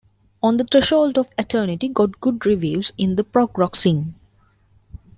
"On the Threshold of Eternity" got good reviews in the prog rock scene.